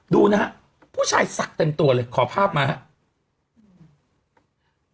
ดูนะฮะผู้ชายสักเต็มตัวเลยขอภาพมาครับ